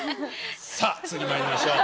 さあ次まいりましょう。